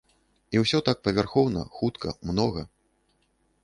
І ўсё так павярхоўна, хутка, многа.